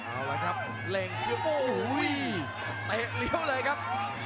เอาละครับเล็งโอ้โหเตะเลี้ยวเลยครับ